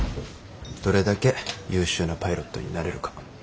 どれだけ優秀なパイロットになれるか。